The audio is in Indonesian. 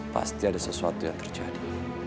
pasti ada sesuatu yang terjadi